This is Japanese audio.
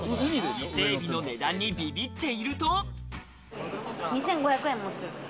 伊勢エビの値段にビビっていると。